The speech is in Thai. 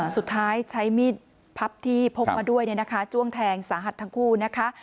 สุดท้ายใช้มีดพับที่พกมาด้วยจ้วงแทงสาหัสทั้งคู่นะคะ